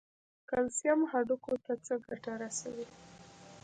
کلسیم هډوکو ته څه ګټه رسوي؟